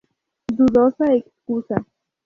Dudosa excusa.